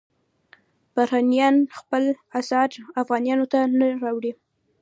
بهرنیان خپل اسعار افغانیو ته نه اړوي.